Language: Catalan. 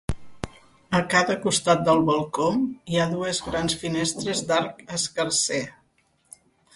A cada costat del balcó hi ha dues grans finestres d'arc escarser.